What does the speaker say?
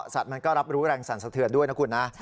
มันก็รับรู้แรงสั่นสะเทือนด้วยนะคุณนะ